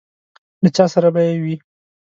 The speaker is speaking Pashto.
له چا سره به یې وي.